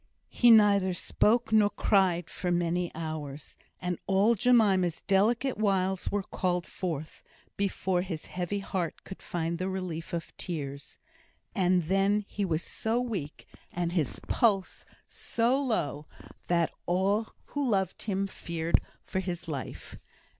He neither spoke nor cried for many hours; and all Jemima's delicate wiles were called forth, before his heavy heart could find the relief of tears. And then he was so weak, and his pulse so low, that all who loved him feared for his life.